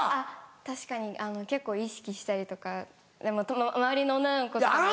確かに結構意識したりとか周りの女の子とかも。